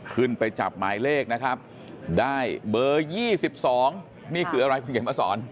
ขึ้นไปจับหมายเลขนะครับได้เบอร์๒๒นี่คืออะไรคุณเขียนมาสอน